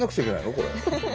これ。